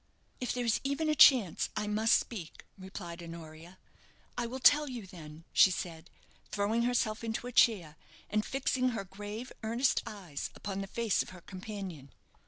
"If there is even a chance, I must speak," replied Honoria. "I will tell you, then," she said, throwing herself into a chair, and fixing her grave, earnest eyes upon the face of her companion.